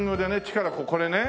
力これね。